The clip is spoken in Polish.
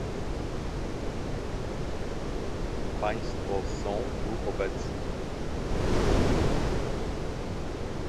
Państwo są tu obecni